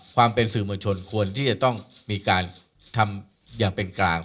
ความเป็นสื่อมวลชนควรที่จะต้องมีการทำอย่างเป็นกลาง